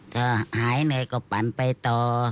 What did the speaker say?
ถ้าหายเหนื่อยก็ปั่นไปต่อ